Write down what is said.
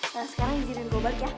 nah sekarang izinin gue balik ya